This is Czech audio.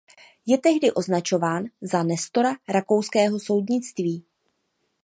Je tehdy označován za nestora rakouského soudnictví.